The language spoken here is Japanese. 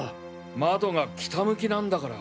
窓が北向きなんだから。